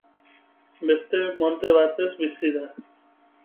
Beste molde batez bizi da.